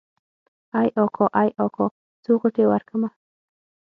ای اکا ای څو غوټې ورکمه.